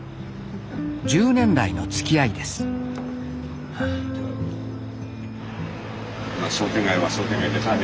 １０年来のつきあいですいや